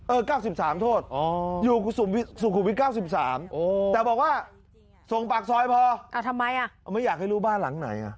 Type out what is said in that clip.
เออ๙๓โทษอยู่สกุลวิท๙๓แต่บอกว่าทรงปากซอยพอไม่อยากให้รู้บ้านหลังไหน